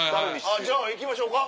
あぁじゃあ行きましょうか。